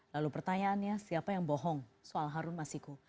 lalu pertanyaannya siapa yang bohong soal harun masiku